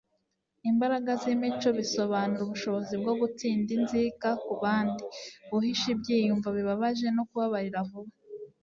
imbaraga z'imico bisobanura ubushobozi bwo gutsinda inzika ku bandi, guhisha ibyiyumvo bibabaje, no kubabarira vuba